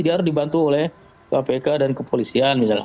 dia harus dibantu oleh kpk dan kepolisian misalnya